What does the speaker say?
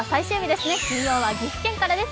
金曜は岐阜県からです。